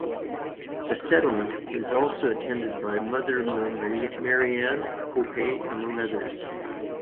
The settlement was also attended by Mother Marianne Cope, among others.